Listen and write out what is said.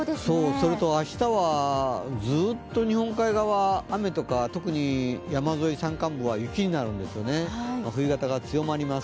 それと明日はずっと日本海側雨とか、特に山沿い、山間部は雪になるんですよね、冬型が強まります。